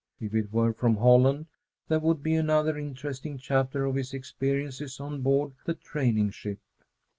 If it were from Holland, there would be another interesting chapter of his experiences on board the training ship.